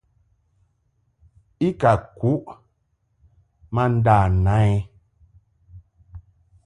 I ka kuʼ ma nda na i.